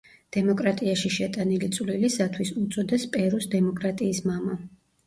დემოკრატიაში შეტანილი წვლილისათვის უწოდეს პერუს დემოკრატიის მამა.